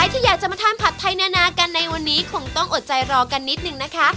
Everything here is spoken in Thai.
ที่อยากจะมาทานผัดไทยนานากันในวันนี้คงต้องอดใจรอกันนิดนึงนะคะ